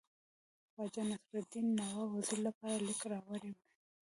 خواجه نصیرالدین د نواب وزیر لپاره لیک راوړی وو.